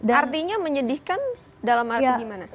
artinya menyedihkan dalam arti gimana